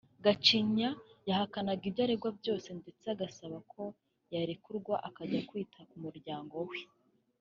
Gacinya yahakanaga ibyo aregwa byose ndetse agasaba ko yarekurwa akajya kwita ku muryango we